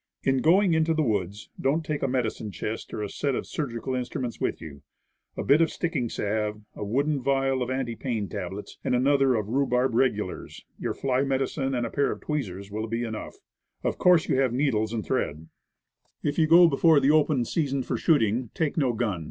In going into 148 Woodcraft. the woods, don't take a medicine chest or a set of surgical instruments with you. A bit of sticking salve, a vial of painkiller, your fly medicine, and a pair of tweezers, will be enough. Of course you have needles and thread. If you go before the open season for shooting, take no gun.